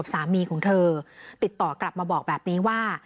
สามีของเธอติดต่อกลับมาบอกแบบนี้ว่า